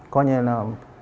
coi như là